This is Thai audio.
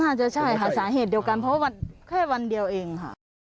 น่าจะใช่ค่ะสาเหตุเดียวกันเพราะว่าแค่วันเดียวเองค่ะ